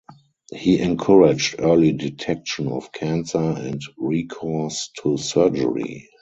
He encouraged early detection of cancer and recourse to surgery.